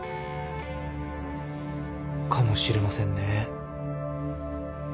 かもしれませんね。